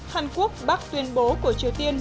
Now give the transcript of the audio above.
hàn quốc bắt tuyên bố của triều tiên